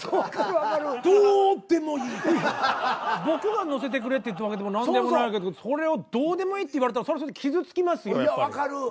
僕が載せてくれって言ったわけでも何でもないけどそれをどうでもいいって言われたらそりゃ傷つきますよやっぱり。